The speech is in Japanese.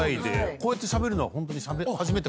こうやってしゃべるのはホントに初めて。